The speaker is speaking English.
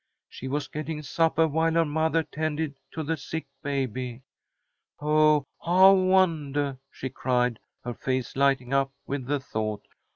She was getting suppah while her mothah tended to the sick baby. Oh, I wondah," she cried, her face lighting up with the thought.